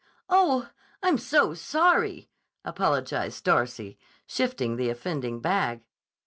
"Oh, I'm so sorry!" apologized Darcy, shifting the offending bag.